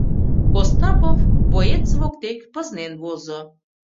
Остапов боец воктек пызнен возо.